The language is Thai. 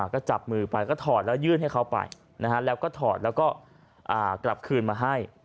ก็จับมือไปก็ถอดแล้วยื่นให้เขาไปแล้วก็ถอดแล้วก็กลับคืนมาให้